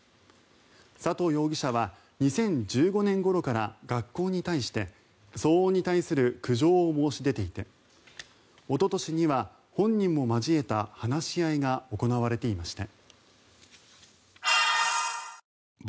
佐藤容疑者は２０１５年ごろから学校に対して騒音に対する苦情を申し出ていておととしには、本人も交えた話し合いが行われていました。